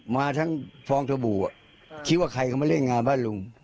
มาทั้งฟองสบู่คิดว่าใครเขามาเล่นงานบ้านลุง